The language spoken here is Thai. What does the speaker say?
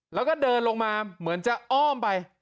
แล้วก็เดินลงมาเหมือนจะอ้อมไป